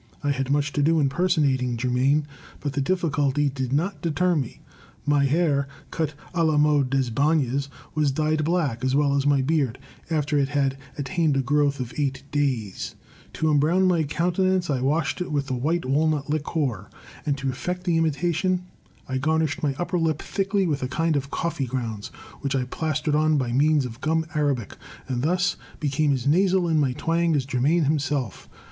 I had much to do in personating Germain; but the difficulty did not deter me; my hair, cut a la mode des Bagnes ^ was dyed black, as well as my beard, after it had attained a growth of eight days; to embrown my countenance I washed it with white walnut liquor; and to perfect the imitation, I garnished my upper lip thickly with a kind of coffee grounds, which I plastered on by means of gum arabic, and thus became as nasal in my twang as Germain himself.